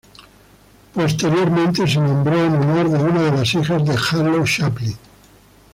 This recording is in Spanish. Posteriormente, se nombró en honor de una de las hijas de Harlow Shapley.